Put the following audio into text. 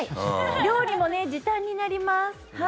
料理も時短になります。